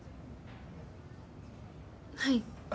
はい。